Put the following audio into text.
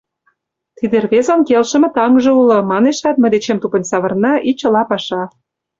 «Тиде рвезын келшыме таҥже уло», — манешат, мый дечем тупынь савырна, и чыла паша.